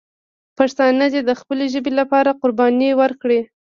پښتانه دې د خپلې ژبې لپاره قرباني ورکړي.